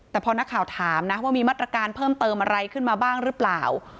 แต่พอนักข่าวถามนะว่ามีมาตรการเพิ่มเติมอะไรขึ้นมาบ้างหรือเปล่า